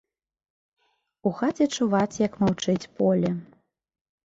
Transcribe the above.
У хаце чуваць, як маўчыць поле.